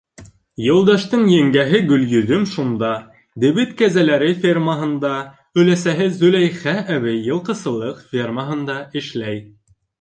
Юлдаштың еңгәһе Гөлйөҙөм шунда, дебет кәзәләре фермаһында, өләсәһе Зөләйха әбей йылҡысылыҡ фермаһында эшләй.